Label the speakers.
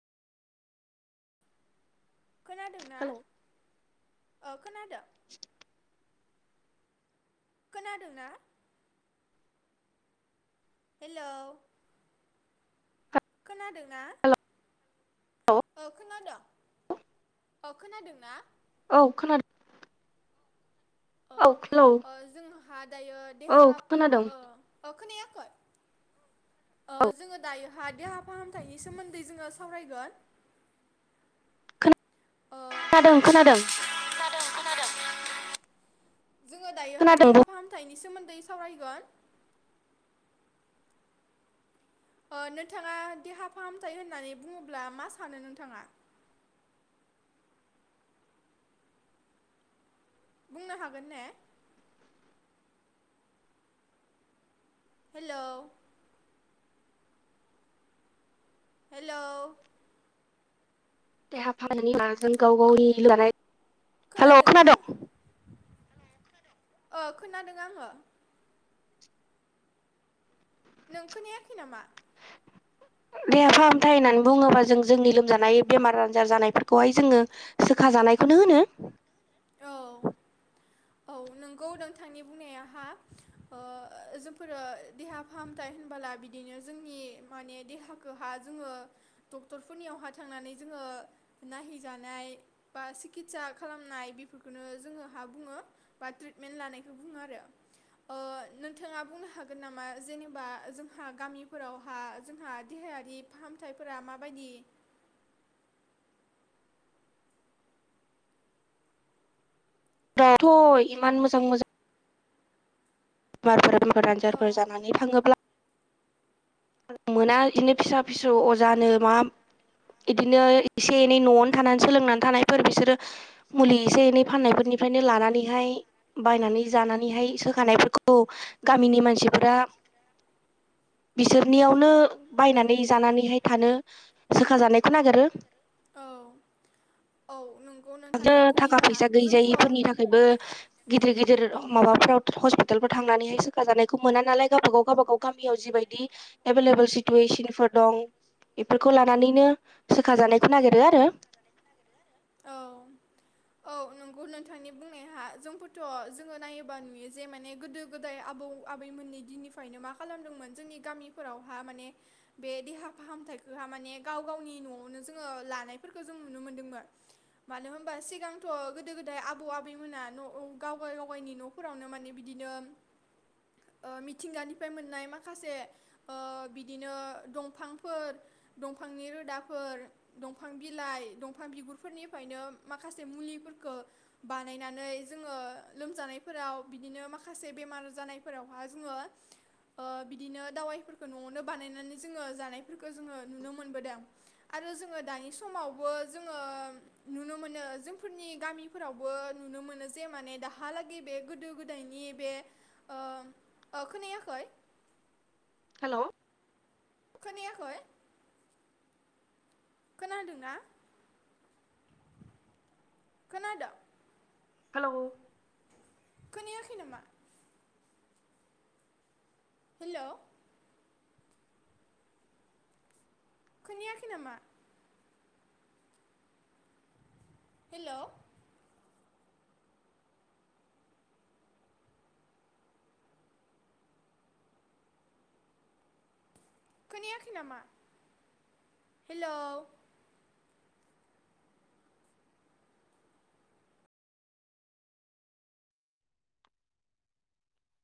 Speaker 1: खोनादोंना।
Speaker 2: हेल'
Speaker 1: अ खोनादों।
Speaker 2: [inaudible]
Speaker 1: खोनादोंना? हेलौ। खोनादों। ना। अ खोनादोंं अ खोनादों ना।
Speaker 2: औ खोना
Speaker 1: ओ ओ
Speaker 2: [unintelligible]
Speaker 1: [unintelligible] दायो
Speaker 2: औ
Speaker 1: देहा
Speaker 2: खोनादों
Speaker 1: [unintelligible] खोनायाखै ओ
Speaker 2: औ
Speaker 1: जोङो दायोहा देहा फाहामथायनि सोमोन्दै जोङो सावरायगोन। ओ
Speaker 2: खोना दों खोनादों।
Speaker 1: खोनादों खोनादों जोङो दायोहाय
Speaker 2: खोनादों
Speaker 1: देहा फाहामथायनि सोमो दै सावराइगोन। ओ नोंथाङा देहा फाहामथाय होननानै बुङोब्ला मा सानो नोंथाङा? बुंनो हागोन ने? हेलौ। हेलौ।
Speaker 2: [unintelligible] हेलौ खोनादों।
Speaker 1: अ खोनादों आङो। नों खोनायाखै नामा?
Speaker 2: देहा फाहामथाय होननानै बुङोबा जों जोंनि लोमजानाय बेमार आजार जानायफोरखौहाय जोङो सोखाजानायखौनो होनो।
Speaker 1: औ औ नोंगौ नोंथांनि बुंनाया हा, जोंफोरो देहा फाहामथाय होनबोला बिदिनो जोंनि माने देहाखौहा जोङो डक्टरफोरनियावहा थांनानै जोङो नायहैजानाय बा सिकितसा खालामनाय बेफोरखौनो जोङो हा बुङो। बा ट्रिटमेन्ट लानायखौ बुङो आरो। ओ नोंथाङा बुंनो हागोन नामा? जेनेबा जोंहा गामिफोरावहा जोंहा देहायारि फाहामथायफोरा माबायदि।
Speaker 2: थ' इमान मोजां मोजां [unintelligible]
Speaker 1: औ
Speaker 2: आनजारफोर जानानै थाङोब्ला मोना बिदिनो फिसा फिसौ अजानो मा बिदिनो। एसे एनै न'आवनो थानानै सोलोंनानै थानाय। फोर बिसोरो, मुलि एसे एनै फाननाय फोरनिफ्रायनो लानानैहाय बायनानै जानानैहाय सोखानायफोरखौ गामिनि मानसिफोरा बिसोरनियावनो बायनानै जानानैहाय थानो सोखा जानायखौ नागिरो।
Speaker 1: औ औ नंगौ नोंथांनि
Speaker 2: थाखा
Speaker 1: बुंनाया
Speaker 2: फैसा
Speaker 1: जोंथ' औ
Speaker 2: गैजायिफोरनि थाखायबो गिदिर गिदिर माबाफ्राव हस्पितालफोराव थांनानैहाय सोखाजानायखौ मोना नालाय गावबागाव गावबागाव गामियाव जिबायदि एभेलेबेल सिटुवेसन फोर दं बेफोरखौ लानानैनो सोखाजानायखौ नागिरो आरो।
Speaker 1: न नोंथांनि बुंनाय जोंफोरथ' जोङो नायोबा नुयो जे माने गोदो गोदाय आबौ आबैमोननि दिननिफ्रायनो मा खालामदोंमोन, जोंनि गामिफोरावहा माने बे देहा फाहामथखौहा माने गाव गावनि न'आवनो जोङो लानायफोरखौ जों नुनो मोनदोंमोन, मानो होनबा? सिगांथ' गोदो गोदाय आबौ आबैमोना न' औ गावाय गावायनि न'फोरावनो माने बिदिनो मिथिंगानिफ्राय मोननाय माखासे ओ बिदिनो दंफांफोर, दंफांनि रोदाफोर, दंफां बिलाइ, दंफां बिगुरफोरनिफ्रायनो माखासे मुलिफोरखौ खो बानायनानै जोङो लोमजानायफोराव बिदिनो माखासे बेमार जानायफोरावहा जोङो ओ बिदिनो दावाइफोरखौ न'आवनो बानायनानै जोङो जानायफोरखौ जोङो नुनो मोनबोदों आरो जोङो दानि समावबो जोङो नुनो मोनो जोंफोरनि गामिफोरावबो नुनो मोनो जे माने दाहालागै बे गोदो गोदायनि बे ओ ओ, खोनायाखै?
Speaker 2: हेल'
Speaker 1: खोनायाखै? खोनादोंना? खोनादों।
Speaker 2: हेल'
Speaker 1: खोनायाखै नामा? हेल' खोनियाखै नामा? हेल' खोनायाखै नामा? हेलौ